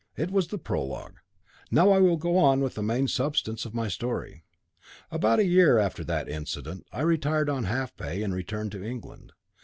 It was the prologue. Now I will go on with the main substance of my story. About a year after that incident I retired on half pay, and returned to England.